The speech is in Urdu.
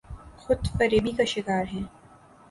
خود فریبی کا شکارہیں۔